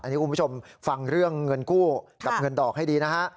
อันนี้คุณผู้ชมฟังเรื่องเงินกู้กับเงินดอกให้ดีนะฮะ